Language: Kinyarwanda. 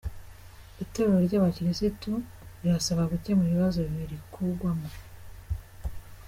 Itorero rya Bakirisitu rirasabwa gukemura ibibazo birikugwamo